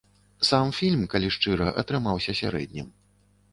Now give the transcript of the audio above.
Сам фільм, калі шчыра, атрымаўся сярэднім.